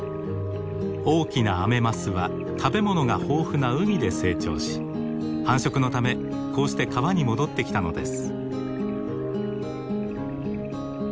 大きなアメマスは食べ物が豊富な海で成長し繁殖のためこうして川に戻ってきたのです。